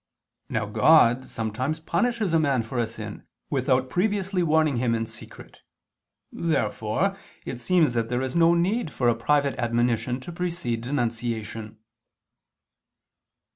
Now God sometimes punishes a man for a sin, without previously warning him in secret. Therefore it seems that there is no need for a private admonition to precede denunciation.